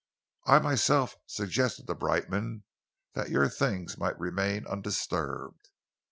I myself suggested to Brightman that your things might remain undisturbed.